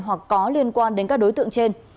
hoặc có liên quan đến các đối tượng trên